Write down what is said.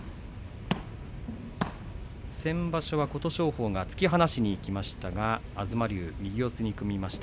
先場所は琴勝峰が突き放しにいきましたが東龍、右四つに組みました。